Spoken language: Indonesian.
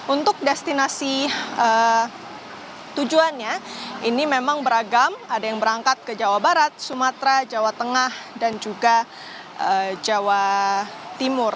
untuk destinasi tujuannya ini memang beragam ada yang berangkat ke jawa barat sumatera jawa tengah dan juga jawa timur